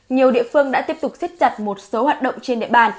nhiều địa phương đã tiếp tục xích chặt một số hoạt động trên địa bàn